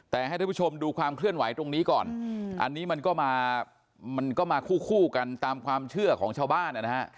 แต่ให้ท่านผู้ชมดูความเคลื่อนไหวตรงนี้ก่อนอันนี้มันก็มามันก็มาคู่กันตามความเชื่อของชาวบ้านนะฮะ